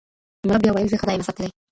مُلا بیا ویل زه خدای یمه ساتلی